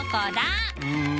うん。